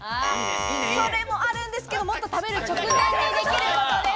それもあるんですけれども、もっと食べる直前にできることです。